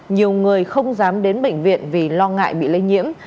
nhiều người không dám đến bệnh viện vì lo ngại bị lây nhiễm